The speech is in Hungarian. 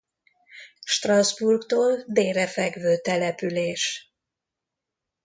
Strasbourgtól délre fekvő település.